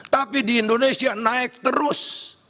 tapi di indonesia naik terus